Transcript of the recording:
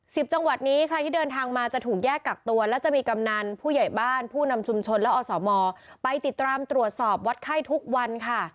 จังหวัดนี้ใครที่เดินทางมาจะถูกแยกกักตัวและจะมีกำนันผู้ใหญ่บ้านผู้นำชุมชนและอสมไปติดตามตรวจสอบวัดไข้ทุกวันค่ะ